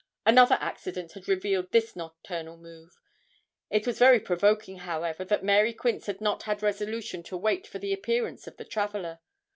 Another accident had revealed this nocturnal move. It was very provoking, however, that Mary Quince had not had resolution to wait for the appearance of the traveller.